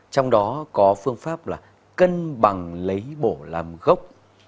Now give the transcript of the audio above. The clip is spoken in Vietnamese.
trong đó có phương pháp là cân bằng lấy bổ làm gốc